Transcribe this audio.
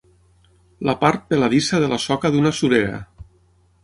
La part peladissa de la soca d'una surera.